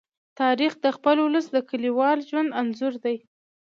تاریخ د خپل ولس د کلیوال ژوند انځور دی.